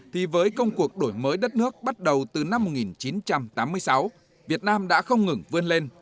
thì với công cuộc đổi mới đất nước bắt đầu từ năm một nghìn chín trăm tám mươi sáu việt nam đã không ngừng vươn lên